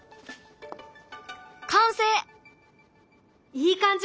いい感じ！